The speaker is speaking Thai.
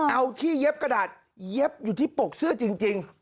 เอาที่เย็บกระดาษเย็บอยู่ที่ปกเสื้อจริง